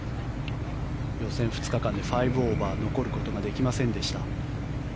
予選２日間で５オーバー残ることができませんでした。